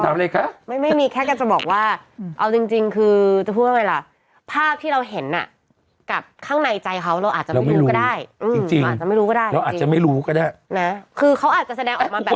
ตายแล้วมิ้นดูซิเจ้าของออกแป๊บเดี๋ยว